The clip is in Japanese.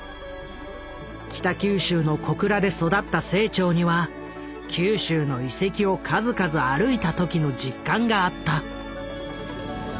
北九州の小倉で育った清張には九州の遺跡を数々歩いた時の実感があった。